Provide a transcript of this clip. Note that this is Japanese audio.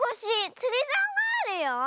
つりざおがあるよ。